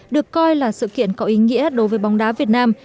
được coi là sự kiện có ý nghĩa đối với bóng đá việt nam